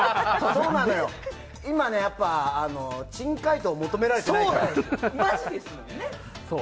今、珍解答を求められてないから。